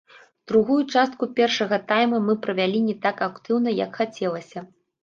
Другую частку першага тайма мы правялі не так актыўна, як хацелася.